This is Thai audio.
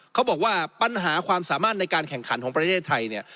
เขาบอกว่าปัญหาความสามารถในการแข่งขันของประเทศไทยเนี่ย